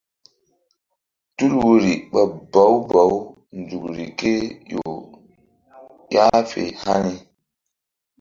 Tul woyri ɓa bawu bawu nzukri ké ƴo ƴah fe hani.